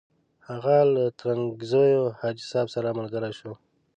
هغه له ترنګزیو حاجي صاحب سره ملګری شو.